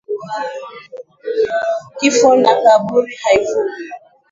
Kifo na kaburi haviumi